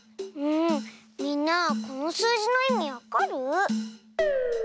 みんなこのすうじのいみわかる？